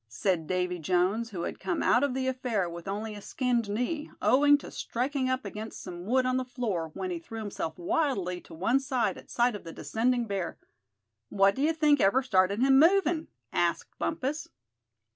said Davy Jones, who had come out of the affair with only a skinned knee, owing to striking up against some wood on the floor, when he threw himself wildly to one side at sight of the descending bear. "What d'ye think ever started him movin'?" asked Bumpus.